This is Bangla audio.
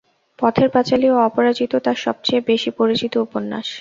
পথের পাঁচালী ও অপরাজিত তাঁর সবচেয়ে বেশি পরিচিত উপন্যাস।